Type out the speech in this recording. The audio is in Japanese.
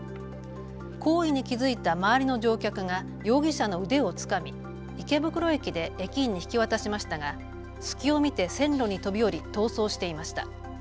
行為に気付いた周りの乗客が容疑者の腕をつかみ池袋駅で駅員に引き渡しましたが隙を見て線路に飛び降り逃走していました。